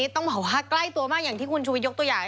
ต้องบอกว่าใกล้ตัวมากอย่างที่คุณชูวิทยกตัวอย่าง